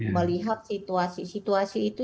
melihat situasi situasi itu